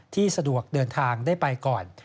ที่สะดวกเดินทางได้ไปก่อน